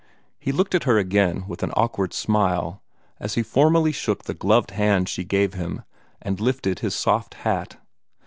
He looked at her again with an awkward smile, as he formally shook the gloved hand she gave him, and lifted his soft hat.